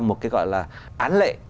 một cái gọi là án lệ